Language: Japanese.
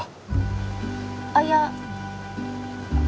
あっいや。